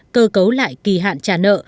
cơ cấu lại kỳ hạn trả nợ